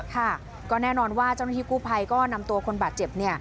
ค่ะก็แน่นอนว่าเจ้าหน้าที่กู้ภัยก็นำตัวคนบาดเจ็บ